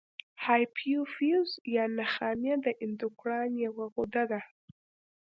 هایپوفیز یا نخامیه د اندوکراین یوه غده ده.